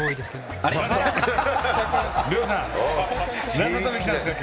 なんのために来たんですか！